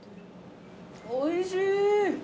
おいしい。